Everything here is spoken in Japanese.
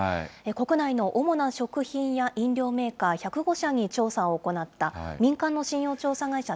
国内の主な食品や飲料メーカー１０５社に調査を行った、民間の信用調査会社、